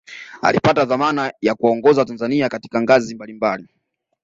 alipata dhamana ya kuwaongoza watanzania katika ngazi mbali mbali